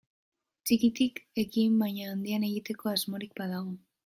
Txikitik ekin baina handian eragiteko asmorik badago.